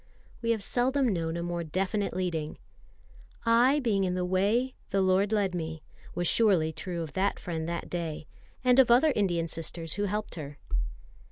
We have seldom known a more definite leading. "I being in the way, the Lord led me," was surely true of that friend that day, and of other Indian sisters who helped her.